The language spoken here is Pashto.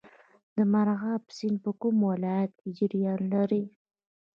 د مرغاب سیند په کوم ولایت کې جریان لري؟